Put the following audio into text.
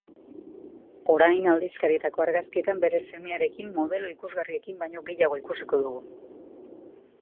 Orain, aldizkarietako argazkietan bere semearekin modelo ikusgarriekin baino gehiago ikusiko dugu.